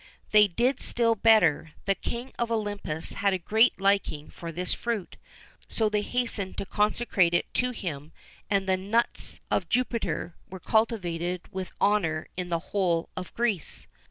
They did still better; the king of Olympus had a great liking for this fruit, so they hastened to consecrate it to him,[XIV 14] and the "nuts of Jupiter" were cultivated with honour in the whole of Greece.